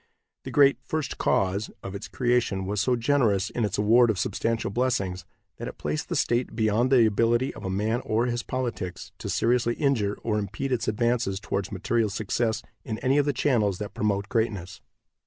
The great "First Cause" of its creation was so generous in its award of substantial blessings that it placed the state beyond the ability of man or his politics to seriously injure or impede its advance towards material success in any of the channels that promote greatness.